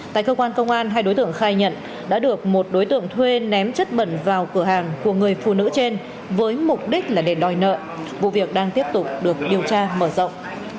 tại cơ quan công an hai đối tượng khai nhận đã được một đối tượng thuê ném chất bẩn vào cửa hàng của người phụ nữ trên với mục đích là để đòi nợ vụ việc đang tiếp tục được điều tra mở rộng